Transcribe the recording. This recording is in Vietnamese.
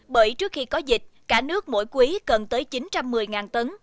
bởi trước khi có dịch cả nước mỗi quý cần tới chín trăm một mươi tấn